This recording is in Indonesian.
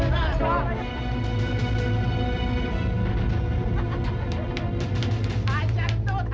masih ada kecoh